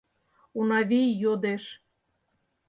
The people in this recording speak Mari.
— Унавий йодеш.